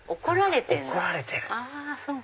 怒られてる。